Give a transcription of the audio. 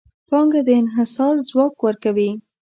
پانګه د انحصار ځواک ورکوي.